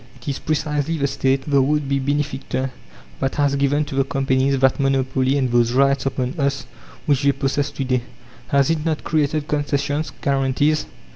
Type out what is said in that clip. It is precisely the State, the would be benefactor, that has given to the companies that monopoly and those rights upon us which they possess to day. Has it not created concessions, guarantees?